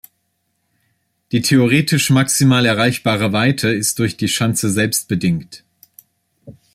Die theoretisch maximal erreichbare Weite ist durch die Schanze selbst bedingt.